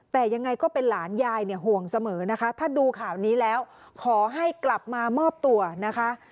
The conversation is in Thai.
แต่ยังไงก็เป็นหลานยายเนี่ยห่วงเสมอนะคะถ้าดูข่าวนี้แล้วขอให้กลับมามอบตัวนะคะ